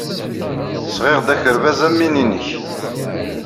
Sɣiɣ-d akerbas am win-nnek.